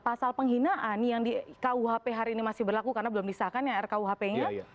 pasal penghinaan yang di kuhp hari ini masih berlaku karena belum disahkan ya rkuhp nya